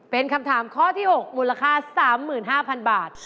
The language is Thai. เป็นคำถามข้อที่๖มูลค่า๓๕๐๐๐บาท